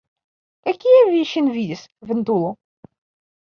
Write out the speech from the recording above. Kaj kie vi ŝin vidis, ventulo?